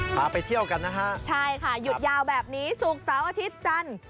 พาไปเที่ยวกันนะฮะใช่ค่ะหยุดยาวแบบนี้ศุกร์เสาร์อาทิตย์จันทร์